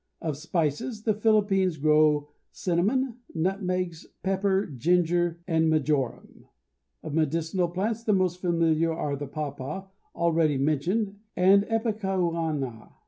Of spices the Philippines grow cinnamon, nutmegs, pepper, ginger, and majoram. Of medicinal plants the most familiar are the papaw, already mentioned, and ipecacuanha.